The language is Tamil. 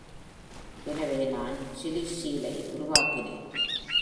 எனவே நான் "Silly Seal" ஐ உருவாக்கினேன்.